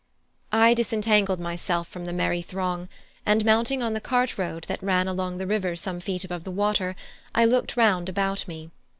I disentangled myself from the merry throng, and mounting on the cart road that ran along the river some feet above the water, I looked round about me.